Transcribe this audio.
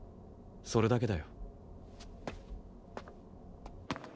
それだけだよ。